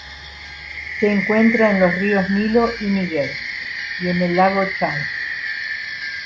Se encuentra en los ríos Nilo y Níger, y en el lago Chad.